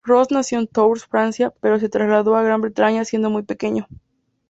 Ross nació en Tours, Francia, pero se trasladó a Gran Bretaña siendo muy pequeño.